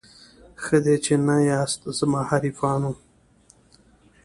ښه دی چي نه یاست زما حریفانو